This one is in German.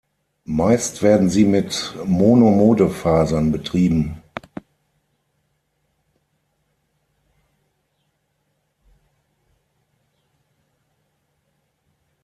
Meist werden sie mit Monomodefasern betrieben.